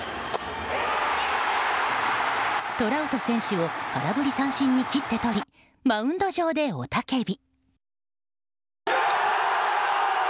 トラウト選手を空振り三振に切ってとりマウンド上で雄叫び。